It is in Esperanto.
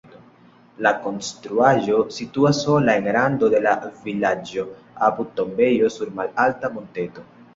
La konstruaĵo situas sola en rando de la vilaĝo apud tombejo sur malalta monteto.